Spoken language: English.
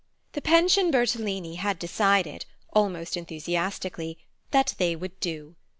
The Pension Bertolini had decided, almost enthusiastically, that they would do.